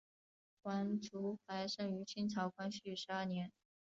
王竹怀生于清朝光绪十二年。